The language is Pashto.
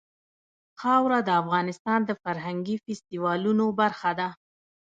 خاوره د افغانستان د فرهنګي فستیوالونو برخه ده.